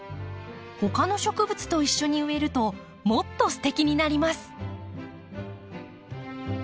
ほかの植物と一緒に植えるともっとすてきになります。